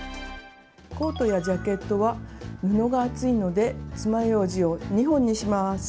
コートやジャケットは布が厚いのでつまようじを２本にします。